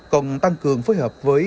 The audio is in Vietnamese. còn tăng cường phối hợp với